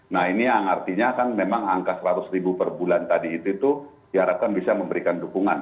nah ini yang artinya kan memang angka seratus ribu per bulan tadi itu diharapkan bisa memberikan dukungan